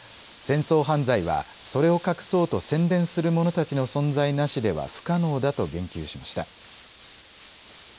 戦争犯罪はそれを隠そうと宣伝する者たちの存在なしでは不可能だと言及しました。